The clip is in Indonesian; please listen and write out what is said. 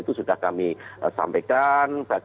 itu sudah kami sampaikan